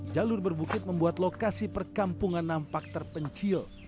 jalur berbukit membuat lokasi perkampungan nampak terpencil